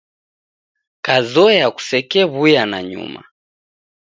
Kazoya kusekew'uya nanyuma.